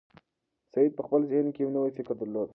سعید په خپل ذهن کې یو نوی فکر درلود.